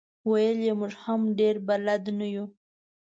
ویل یې موږ هم ډېر بلد نه یو.